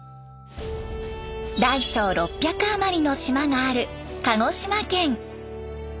大小６００あまりの島がある鹿児島県。